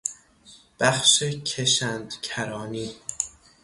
بخش کشند کرانی